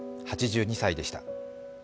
８２歳でした。